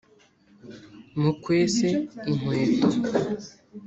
mukwese inkweto